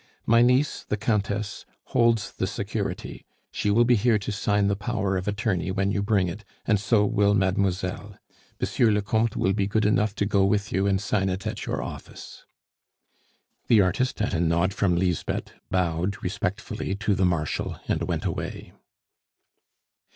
My niece, the Countess, holds the security; she will be here to sign the power of attorney when you bring it, and so will mademoiselle. Monsieur le Comte will be good enough to go with you and sign it at your office." The artist, at a nod from Lisbeth, bowed respectfully to the Marshal and went away.